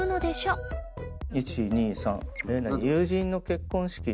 １２３。